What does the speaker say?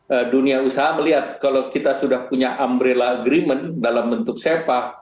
dan dunia usaha melihat kalau kita sudah punya umbrella agreement dalam bentuk sepa